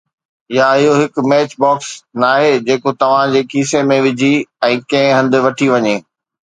يا اهو هڪ ميچ باڪس ناهي جيڪو توهان جي کيسي ۾ وجهي ۽ ڪنهن هنڌ وٺي وڃي